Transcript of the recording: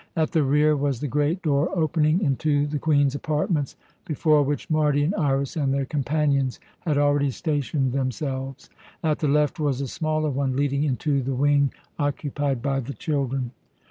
At the rear was the great door opening into the Queen's apartments, before which Mardion, Iras, and their companions had already stationed themselves. At the left was a smaller one leading into the wing occupied by the children.